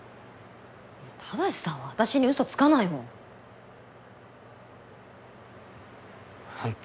正さんは私にウソつかないもんあんた